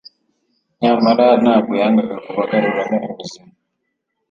nyamara ntabwo yangaga kubagaruramo ubuzima.